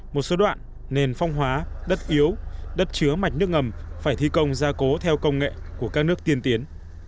một số đoạn nền phong hóa đất yếu đất chứa mạch nước ngầm phải thi công gia cố theo công nghệ của các nước tiên tiến